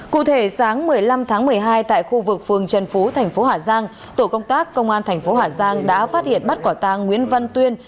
cụ thể sáng một mươi năm tháng một mươi hai tại khu vực phường trần phú thành phố hà giang tổ công tác công an thành phố hà giang đã phát hiện bắt quả tàng nguyễn văn tuyên